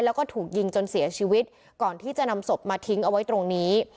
แล้วก็ถูกยิงจนเสียชีวิตก่อนที่จะนำศพมาทิ้งเอาไว้ตรงนี้